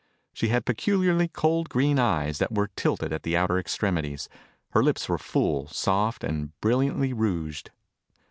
She had peculiarly cold green eyes that were tilted at the outer extremities. Her lips were full, soft and brilliantly rouged.